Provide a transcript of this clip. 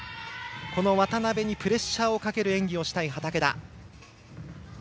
渡部にプレッシャーをかける演技をしたい畠田。